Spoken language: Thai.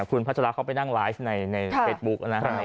คุณพรรจาระเข้านั่งไลด์ในเฟซบุ๊ก